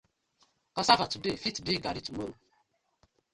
Cassava today fit be Garri tomorrow.